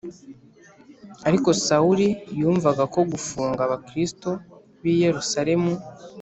Ariko Sawuli yumvaga ko gufunga Abakristo b i Yerusalemu